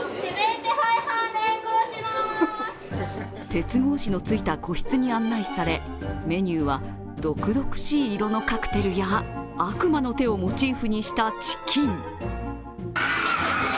鉄格子のついた個室に案内され、メニューは毒々しい色のカクテルや悪魔の手をモチーフにしたチキン。